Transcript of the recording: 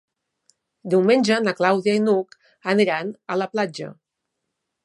Diumenge na Clàudia i n'Hug aniran a la platja.